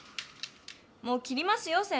もう切りますよ